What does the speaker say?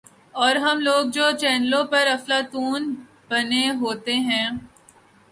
اورہم لوگ جو چینلوں پہ افلاطون بنے ہوتے ہیں۔